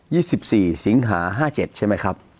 พรฟภัยศิลป์๑๔เสียงหา๕๗ใช่มั้ยครับ